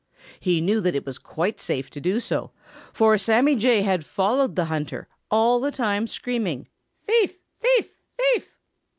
He knew that it was quite safe to do so, for Sammy Jay had followed the hunter, all the time screaming, "Thief! thief! thief!"